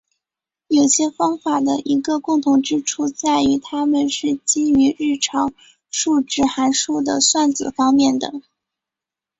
有些方法的一个共同之处在于它们是基于日常数值函数的算子方面的。